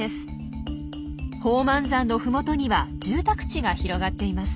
宝満山の麓には住宅地が広がっています。